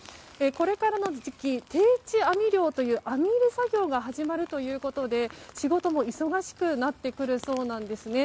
これからの時期、定置網漁という網入れ作業が始まるということで仕事も忙しくなってくるそうなんですね。